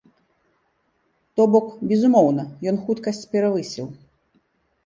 То бок, безумоўна, ён хуткасць перавысіў.